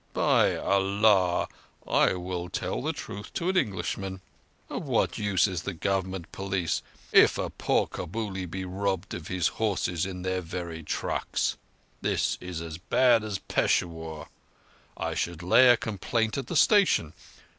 By Allah, I will tell the truth to an Englishman! Of what use is the Government police if a poor Kabuli be robbed of his horses in their very trucks. This is as bad as Peshawur! I should lay a complaint at the station.